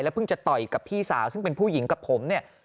แล้วเพิ่งจะต่อยกับพี่สาวซึ่งเป็นผู้หญิงกับผม